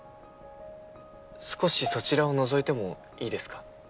少しそちらを覗いてもいいですか？